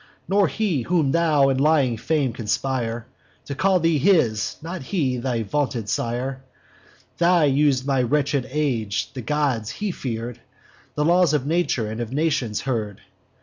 Not he, whom thou and lying fame conspire To call thee his; not he, thy vaunted sire, Thus us'd my wretched age: the gods he fear'd, The laws of nature and of nations heard.